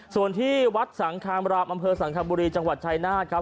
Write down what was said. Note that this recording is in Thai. ส่วนที่วัดสังคามรามอำเภอสังคบุรีจังหวัดชายนาฏครับ